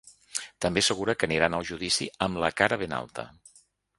També assegura que aniran al judici ‘amb la cara ben alta’.